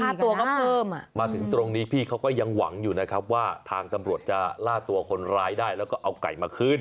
ตัวก็เพิ่มอ่ะมาถึงตรงนี้พี่เขาก็ยังหวังอยู่นะครับว่าทางตำรวจจะล่าตัวคนร้ายได้แล้วก็เอาไก่มาคืน